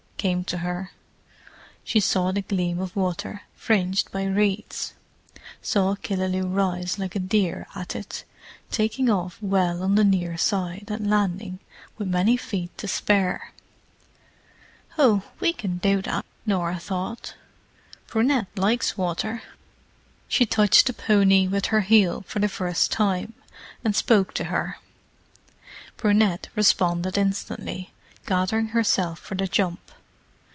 came to her. She saw the gleam of water, fringed by reeds: saw Killaloe rise like a deer at it, taking off well on the near side, and landing with many feet to spare. "Oh—we can do that," Norah thought. "Brunette likes water." She touched the pony with her heel for the first time, and spoke to her. Brunette responded instantly, gathering herself for the jump.